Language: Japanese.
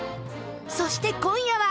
そして今夜は。